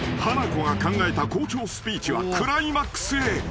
［ハナコが考えた校長スピーチはクライマックスへ］